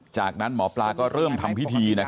จากนั้นหมอปลาก็เริ่มทำพิธี